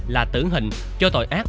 là tưởng hình cho tội ác